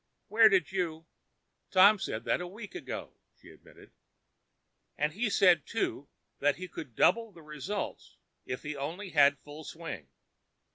Where did you——" "Tom said that a week ago," she admitted. "And he said, too, that he could double the results if he only had full swing.